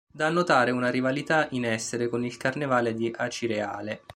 Da annotare una rivalità in essere con il carnevale di Acireale.